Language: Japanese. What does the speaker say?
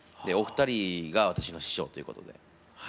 お二人が私の師匠ということで。